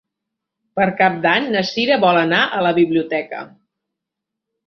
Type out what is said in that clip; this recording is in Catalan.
Per Cap d'Any na Sira vol anar a la biblioteca.